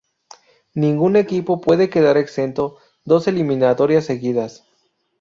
Ningún equipo puede quedar exento dos eliminatorias seguidas.